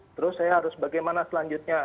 terus saya harus bagaimana selanjutnya